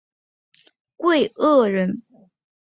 桂萼人。